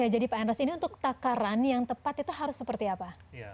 jadi pak enros ini untuk takaran yang tepat itu harus seperti apa